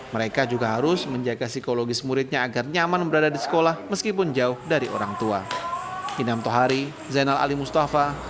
mereka juga harus menjaga psikologis muridnya agar nyaman berada di sekolah meskipun jauh dari orang tua